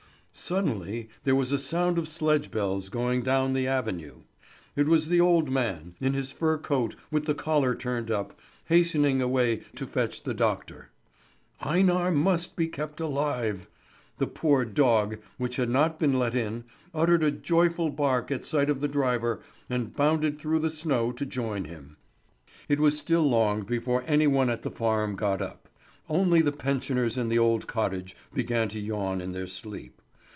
Suddenly there was a sound of sledge bells going down the avenue. It was the old man, in his fur coat with the collar turned up, hastening away to fetch the doctor. Einar must be kept alive. The poor dog, which had not been let in, uttered a joyful bark at sight of the driver, and bounded through the snow to join him. It was still long before any one at the farm got up; only the pensioners in the old cottage began to yawn in their sleep.